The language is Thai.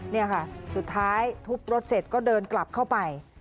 นี่ค่ะสุดท้ายทุบรถเสร็จก็เดินกลับเข้าไป